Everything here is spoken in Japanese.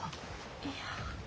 いや。